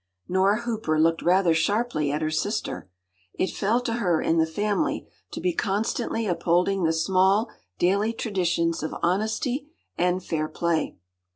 ” Nora Hooper looked rather sharply at her sister. It fell to her in the family to be constantly upholding the small daily traditions of honesty and fair play.